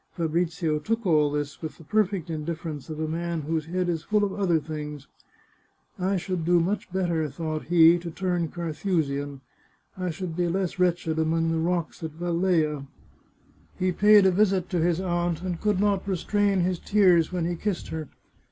Fabrizio took all this with the perfect indifference of a man whose head is full of other things. " I should do much better," thought he, " to turn Carthusian. I should be less wretched among the rocks at Velleia." He paid a visit to his aunt, and could not restrain his tears when he kissed her.